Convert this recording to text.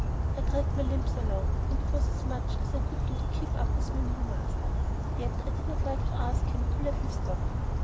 I dragged my limbs along and it was as much as I could do to keep up with my new master. Yet I did not like to ask him to let me stop.